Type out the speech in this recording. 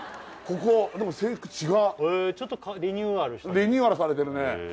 ここでも制服違うへえちょっとリニューアルしたリニューアルされてるね